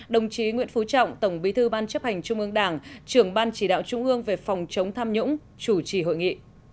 đồng chí nguyễn phú trọng tổng bí thư ban chấp hành trung ương đảng trưởng ban chỉ đạo trung ương về phòng chống tham nhũng chủ trì hội nghị